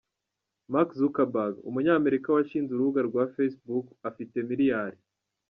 Mark Zuckerberg: Umunyamerika washinze urubuga rwa Facebook, afite miliyari .